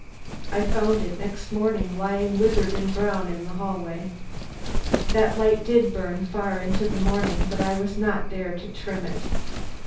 I found it next morning lying withered and brown in the hall way. That light did burn far into the morning; but I was not there to trim it.